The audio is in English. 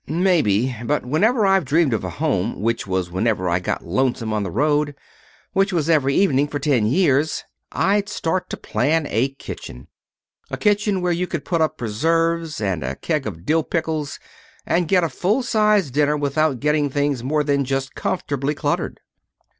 "Maybe. But whenever I've dreamed of a home, which was whenever I got lonesome on the road, which was every evening for ten years, I'd start to plan a kitchen. A kitchen where you could put up preserves, and a keg of dill pickles, and get a full sized dinner without getting things more than just comfortably cluttered."